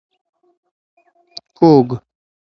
کوږ